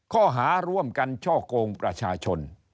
ข้อหาร่วมกันช่อกงประชาชน